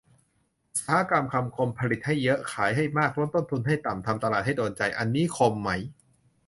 อุตสาหกรรมคำคม ผลิตให้เยอะ ขายให้มาก ลดต้นทุนให้ต่ำ ทำตลาดให้โดนใจ อันนี้ คม ไหม ?